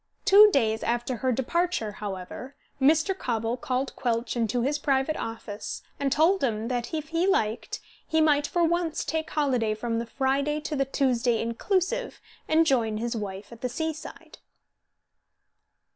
Two days after her departure, however, Mr. Cobble called Quelch into his private office and told him that if he liked he might for once take holiday from the Friday to the Tuesday inclusive, and join his wife at the seaside.